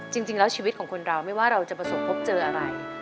จริงแล้วชีวิตของคุณเราไม่ว่าเราจะประสงค์พบเจออะไร